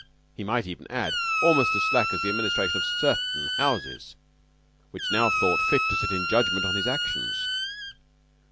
He might even add, almost as slack as the administration of certain houses which now thought fit to sit in judgment on his actions.